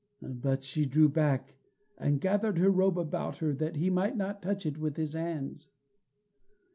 But she drew back and gathered her robe about her, that he might not touch it with his hands.